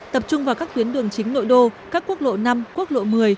tập trung vào các tuyến đường chính nội đô các quốc lộ năm quốc lộ một mươi